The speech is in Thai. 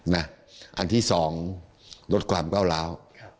อันที่๒ลดความก้าวร้าว